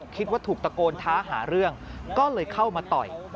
คิดว่าถูกตะโกนท้าหาเรื่องก็เลยเข้ามาต่อย